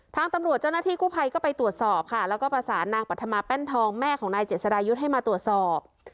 ทางตำรวจเจ้าหน้าที่กู้ภัยก็ไปตรวจสอบค่ะแล้วก็ประสานนางปรัฐมาแป้นทองแม่ของนายเจษดายุทธ์ให้มาตรวจสอบ